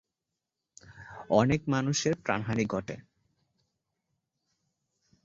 অনেক মানুষের প্রাণহানি ঘটে।